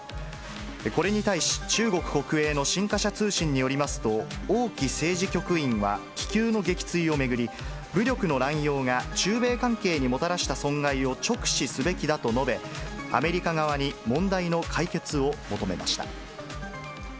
これに対し、中国国営の新華社通信によりますと、王毅政治局員は、気球の撃墜を巡り、武力の乱用が中米関係にもたらした損害を直視すべきだと述べ、アメリカ側に問題の解決を求めました。